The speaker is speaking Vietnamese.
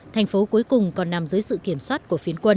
thành phố cuối cùng còn nằm dưới sự kiểm soát của phiến quân